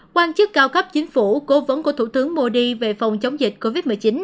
quan chức cao cấp chính phủ cố vấn của thủ tướng modi về phòng chống dịch covid một mươi chín